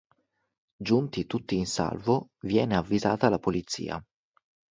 Giunti tutti in salvo, viene avvisata la polizia.